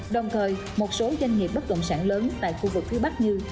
đồng thời một số doanh nghiệp bất động sản lớn tại khu vực phía bắc như